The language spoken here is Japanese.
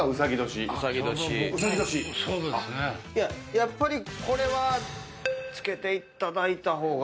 やっぱりこれは着けていただいた方が。